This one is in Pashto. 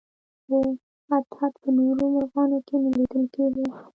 خو هدهد په نورو مرغانو کې نه لیدل کېده.